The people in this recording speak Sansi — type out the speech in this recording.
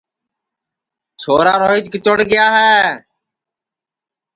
چھورا روہیت کِتوڑ گیا ہے